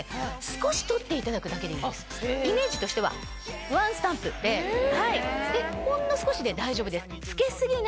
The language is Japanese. イメージとしてはワンスタンプでほんの少しで大丈夫です。